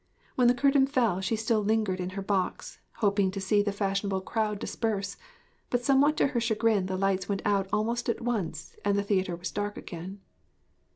When the curtain fell she still lingered in her box, hoping to see the fashionable crowd disperse; but somewhat to her chagrin the lights went out almost at once and the theatre was dark again.